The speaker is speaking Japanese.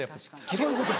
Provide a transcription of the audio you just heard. そういうことや。